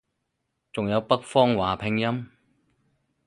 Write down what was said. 仲係有北方話拼音